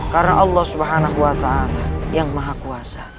karena allah subhanahu wa ta'ala yang maha kuasa